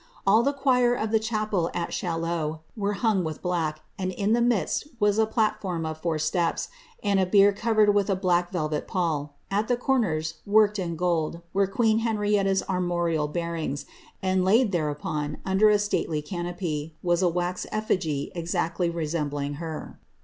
All the choir of the •1 at Chaillot was hung with blacky and in the midst was a platform r steps, and a bier covered with a black velvet pall ; at the corners, *d in gold, were queen Henrietta's armorial bearings, and laid n, under a stately canopy, was a wax effigy exactly resembling her.'